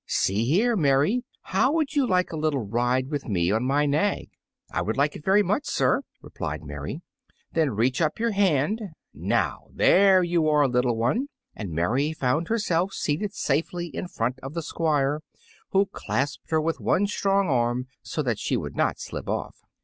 See here, Mary, how would you like a little ride with me on my nag?" "I would like it very much, sir," replied Mary. "Then reach up your hand. Now! there you are, little one!" and Mary found herself seated safely in front of the Squire, who clasped her with one strong arm so that she could not slip off.